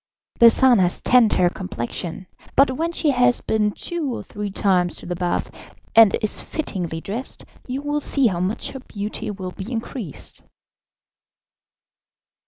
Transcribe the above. The sun has tanned her complexion, but when she has been two or three times to the bath, and is fittingly dressed, you will see how much her beauty will be increased."